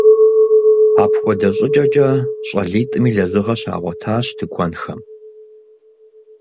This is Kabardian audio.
Апхуэдэ щӏыкӏэкӏэ щӏалитӏми лэжьыгъэ щагъуэтащ тыкуэнхэм.